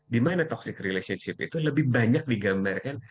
di mana toxic relationship itu lebih banyak digambarkan